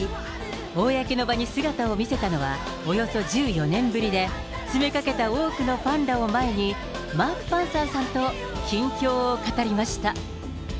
公の場に姿を見せたのは、およそ１４年ぶりで、詰めかけた多くのファンらを前に、マーク・パンサーさんと近況を語りました。